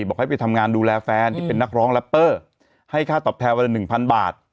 บอกให้ไปทำงานดูแลแฟนที่เป็นนักร้องแรปเปอร์ให้ค่าตอบแทนวันละ๑๐๐บาท